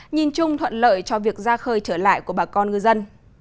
nhìn chung thuận lợi cho việc ra khơi trở lại của bà con ngư dân